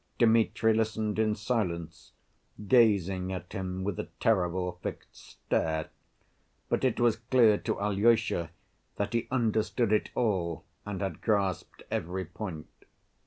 Dmitri listened in silence, gazing at him with a terrible fixed stare, but it was clear to Alyosha that he understood it all, and had grasped every point.